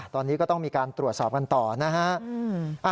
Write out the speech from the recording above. ตอนนี้ก็ต้องมีการตรวจสอบกันต่อนะฮะ